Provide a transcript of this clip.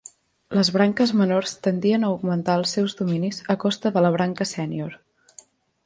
Les branques menors tendien a augmentar els seus dominis a costa de la branca sènior.